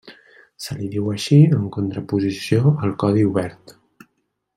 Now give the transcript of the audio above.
Se li diu així en contraposició al codi obert.